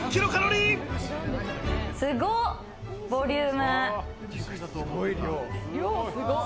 すごっ、ボリューム。